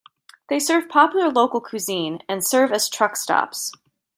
They serve popular local cuisine and serve as truck stops.